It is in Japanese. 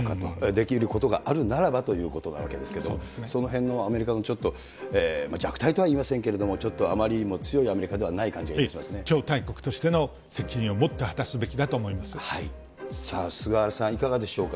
できることがあるならばということなわけですけれども、そのへんのアメリカのちょっと、弱体とは言いませんけれども、ちょっとあまりにも強いアメリカ超大国としての責任をもっと菅原さん、いかがでしょうか。